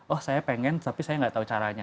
oh saya pengen tapi saya nggak tahu caranya